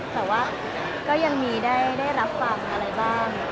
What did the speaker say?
แต่ว่าก็ยังมีได้รับฟังอะไรบ้าง